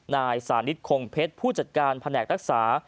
นายสานิทคงเพชรผู้จัดการแผนกรักษา